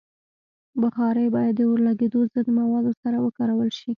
بخاري باید د اورلګیدو ضد موادو سره وکارول شي.